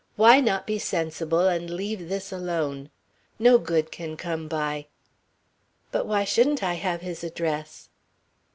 Why not be sensible and leave this alone? No good can come by " "But why shouldn't I have his address?"